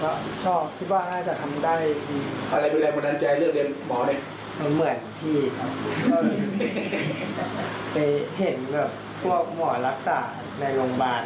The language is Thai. ไปเห็นพวกหมอรักษาในโรงพยาบาลและก็ชอบด้วย